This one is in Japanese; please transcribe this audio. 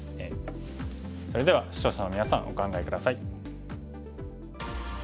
それでは視聴者のみなさんお考え下さい。